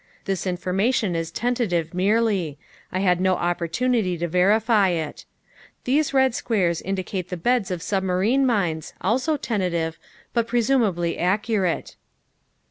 This information is tentative merely; I had no opportunity to verify it. These red squares indicate the beds of submarine mines, also tentative, but pre sumably accurate."